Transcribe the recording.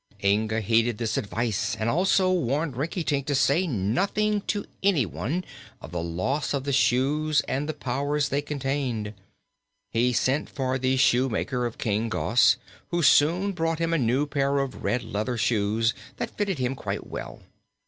Inga heeded this advice and also warned Rinkitink to say nothing to anyone of the loss of the shoes and the powers they contained. He sent for the shoemaker of King Gos, who soon brought him a new pair of red leather shoes that fitted him quite well.